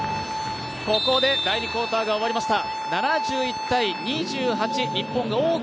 ここで第２クオーターが終わりました。